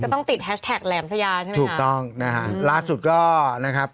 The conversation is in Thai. ติดแฮชแท็กแหลมซยาใช่ไหมค่ะถูกต้องนะคะรัฐสุดก็นะครับ